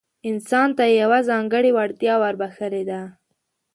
انسان ته يې يوه ځانګړې وړتيا وربښلې ده.